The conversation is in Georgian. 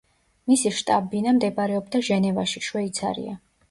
მისი შტაბ-ბინა მდებარეობდა ჟენევაში, შვეიცარია.